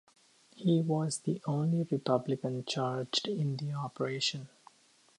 He was the only Republican charged in the operation.